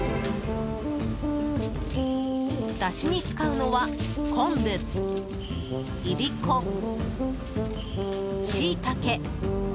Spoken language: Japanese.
だしに使うのは昆布、いりこ、シイタケ